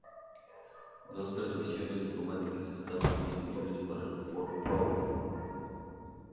Dos transmisiones automáticas estaban disponibles para el Ford Probe.